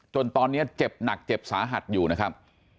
จนตอนนี้เจ็บหนักเจ็บสาหัสอยู่นะครับ